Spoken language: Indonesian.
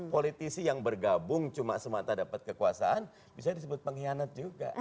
politisi yang bergabung cuma semata dapat kekuasaan bisa disebut pengkhianat juga